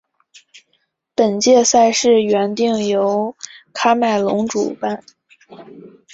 本届赛事原定由喀麦隆主办。